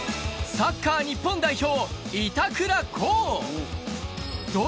サッカー日本代表、板倉滉。